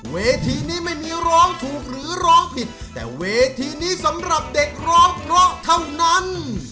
เวทีนี้ไม่มีร้องถูกหรือร้องผิดแต่เวทีนี้สำหรับเด็กร้องเพราะเท่านั้น